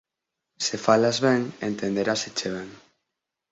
Se falas ben, entenderáseche ben